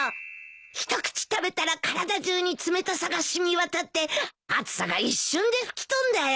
一口食べたら体中に冷たさが染み渡って暑さが一瞬で吹き飛んだよ。